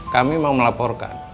kami mau melaporkan